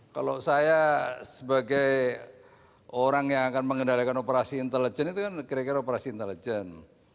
kalau saya sebagai orang yang akan mengendalikan operasi intelijen itu kan kira kira operasi intelijen